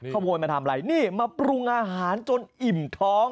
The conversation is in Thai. ขโมยมาทำอะไรนี่มาปรุงอาหารจนอิ่มท้อง